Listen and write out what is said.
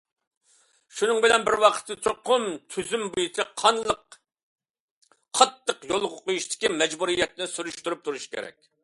شۇنىڭ بىلەن بىر ۋاقىتتا، چوقۇم تۈزۈم بويىچە قاتتىق يولغا قويۇشتىكى مەجبۇرىيەتنى سۈرۈشتۈرۈپ تۇرۇش كېرەك.